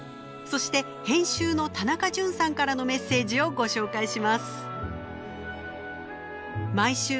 そして編集の田中潤さんからのメッセージをご紹介します。